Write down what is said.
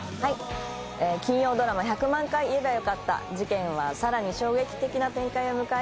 金曜ドラマ「１００万回言えばよかった」、事件は更に衝撃的な展開を迎え